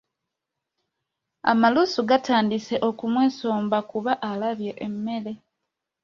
Amalusu gatandise okumwesomba kuba alabye emmere.